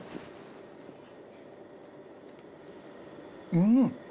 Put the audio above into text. うん！